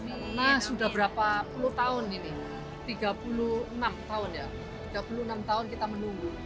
mina sudah berapa puluh tahun ini tiga puluh enam tahun ya tiga puluh enam tahun kita menunggu